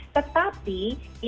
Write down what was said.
tetapi di bulan oktober